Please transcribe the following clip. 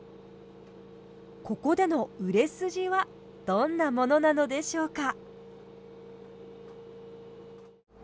ここでの売れ筋はどんなものなのでしょうか？